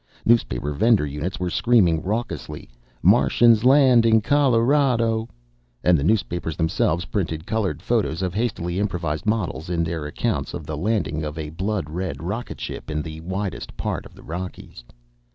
Newspaper vendor units were screaming raucously, "Martians land in Colorado!" and the newspapers themselves printed colored photos of hastily improvised models in their accounts of the landing of a blood red rocket ship in the widest part of the Rockies.